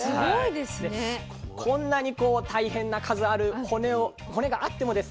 でこんなに大変な数ある骨があってもですね